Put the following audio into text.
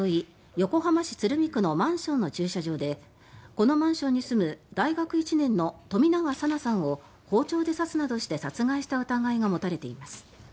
横浜市鶴見区のマンションの駐車場でこのマンションに住む大学１年の冨永紗菜さんを包丁で刺すなどして殺害した疑いが持たれています。